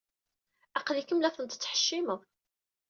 Aql-ikem la tent-tettḥeccimed.